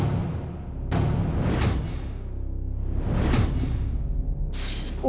อุปกรณ์ใดต่อไปนี้มีน้ำหนักมากที่สุด